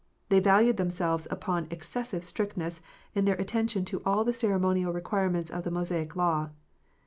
They valued themselves upon excessive strictness in their attention to all the ceremonial requirements of the Mosaic law.